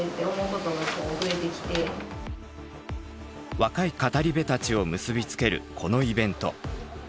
若い語り部たちを結び付けるこのイベント。